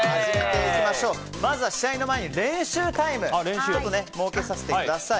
まずは試合の前に練習タイムを設けさせてください。